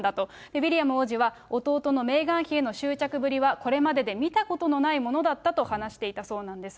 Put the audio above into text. ウィリアム王子は、弟のメーガン妃への執着ぶりはこれまでで見たことのないものだったと話していたそうなんです。